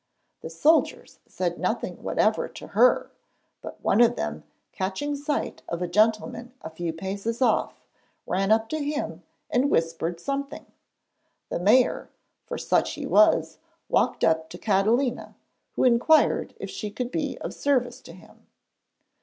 The soldiers said nothing whatever to her, but one of them, catching sight of a gentleman a few paces off, ran up to him and whispered something. The mayor, for such he was, walked up to Catalina, who inquired if she could be of service to him.